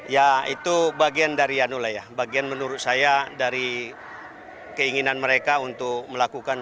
ya itu bagian dari anu lah ya bagian menurut saya dari keinginan mereka untuk melakukan